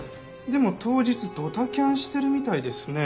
でも当日ドタキャンしてるみたいですね。